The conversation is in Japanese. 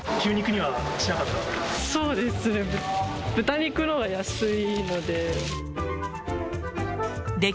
豚肉のほうが安いので。